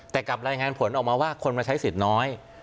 แต่กลับรายงานผลออกมาว่าคนมาใช้สิทธิ์น้อย